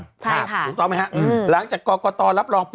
ถูกต้องไหมฮะหลังจากกรกตรับรองปุ